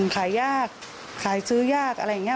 ขายยากขายซื้อยากอะไรอย่างนี้